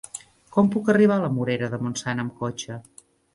Com puc arribar a la Morera de Montsant amb cotxe?